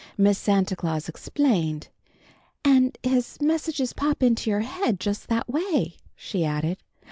Miss Santa Claus explained. "And his messages pop into your head just that way," she added.